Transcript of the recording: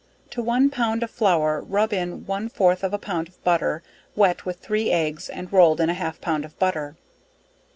To one pound of flour rub in one fourth of a pound of butter wet with three eggs and rolled in a half pound of butter.